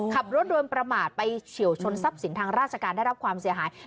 ขับรถโดนประมาทไปเฉียวชนทรัพย์สินทางราชการได้รับความเสียหาย